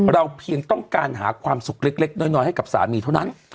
เพียงต้องการหาความสุขเล็กน้อยให้กับสามีเท่านั้น